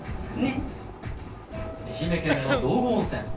愛媛県の道後温泉。